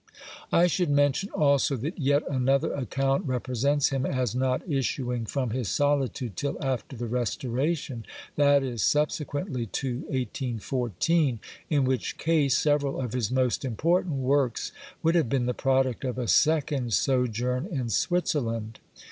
^ I should mention also that yet another account represents him as not issuing from his soUtude till after the Restoration, that is, subsequently to 18 14, in which case several of his most important works would have been the product of a second sojourn in Switzerland.